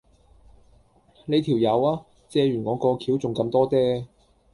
你條友呀，借完我過橋仲咁多嗲